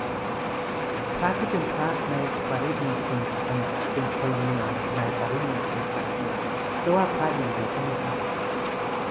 พระที่เป็นพระในปริมณฑลศาสนา เป็นพลเมืองในปริมณฑลการเมือง จะว่าพระอย่างเดียวก็ไม่ได้